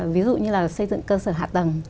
ví dụ như là xây dựng cơ sở hạ tầng